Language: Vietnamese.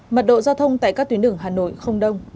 mật độ giao thông tại các tuyến đường hà nội không đông